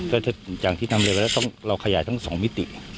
ก็อย่างที่นำเรียนไปแล้วเราขยายทั้งสองมิติ